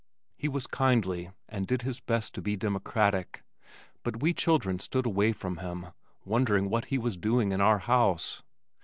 He was kindly, and did his best to be democratic, but we children stood away from him, wondering what he was doing in our house.